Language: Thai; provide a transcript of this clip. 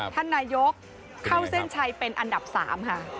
ท่านนายกเข้าเส้นชัยเป็นอันดับ๓ค่ะ